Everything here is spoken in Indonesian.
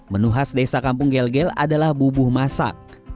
menu khas desa kampung gel gel adalah bubuh masak